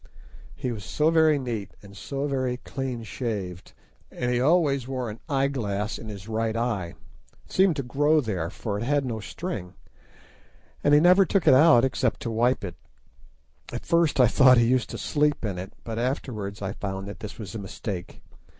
He was so very neat and so very clean shaved, and he always wore an eye glass in his right eye. It seemed to grow there, for it had no string, and he never took it out except to wipe it. At first I thought he used to sleep in it, but afterwards I found that this was a mistake.